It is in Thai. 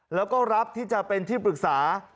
แล้วก็รับที่จะเป็นที่ปรึกษา